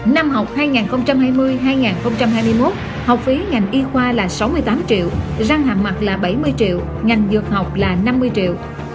năm học hai nghìn hai mươi hai nghìn hai mươi một học phí ngành y khoa là sáu mươi tám triệu răng hàm mặt là bảy mươi triệu ngành dược học là năm mươi triệu